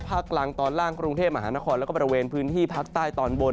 ภาคกลางตอนล่างกรุงเทพมหานครแล้วก็บริเวณพื้นที่ภาคใต้ตอนบน